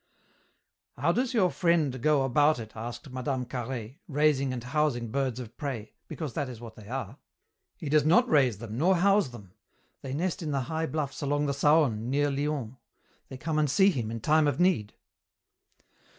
"How does your friend go about it," asked Mme. Carhaix, "raising and housing birds of prey? because that is what they are." "He does not raise them nor house them. They nest in the high bluffs along the Saône, near Lyons. They come and see him in time of need."